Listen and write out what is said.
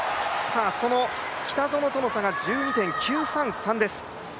その北園との差が１２．９３３です。